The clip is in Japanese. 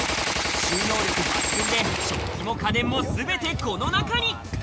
収納力抜群で食器も家電もすべて、この中に。